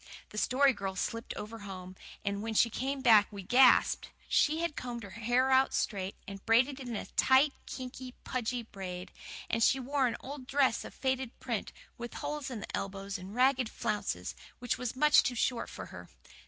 The Story Girl slipped over home, and when she came back we gasped. She had combed her hair out straight, and braided it in a tight, kinky, pudgy braid; and she wore an old dress of faded print, with holes in the elbows and ragged flounces, which was much too short for her.